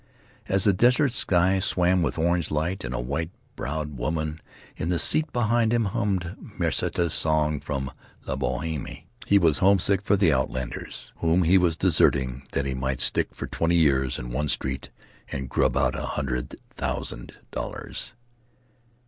As the desert sky swam with orange light and a white browed woman in the seat behind him hummed Musetta's song from "La Bohème" he was homesick for the outlanders, whom he was deserting that he might stick for twenty years in one street and grub out a hundred thousand dollars.